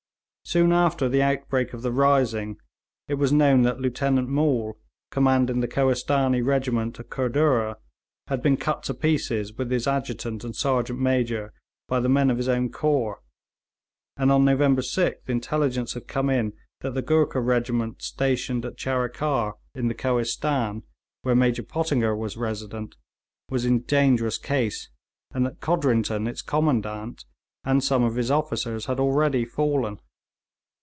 Soon after the outbreak of the rising, it was known that Lieutenant Maule, commanding the Kohistanee regiment at Kurdurrah, had been cut to pieces, with his adjutant and sergeant major, by the men of his own corps; and on November 6th intelligence had come in that the Goorkha regiment stationed at Charikar in the Kohistan, where Major Pottinger was Resident, was in dangerous case, and that Codrington, its commandant, and some of his officers had already fallen.